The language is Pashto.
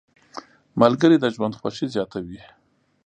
ملګري د ژوند خوښي زیاته وي.